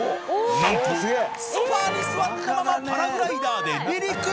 なんとソファに座ったままパラグライダーで離陸！